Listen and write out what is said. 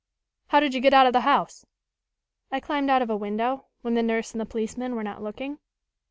"How did you get out of the house?" "I climbed out of a window, when the nurse and the policeman were not looking."